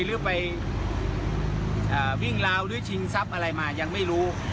หรือไปวิ่งราวหรือชิงทรัพย์อะไรมายังไม่รู้